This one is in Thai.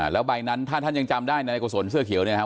แล้วใบนั้นถ้าท่านยังจำได้นายโกศลเสื้อเขียวเนี่ยครับ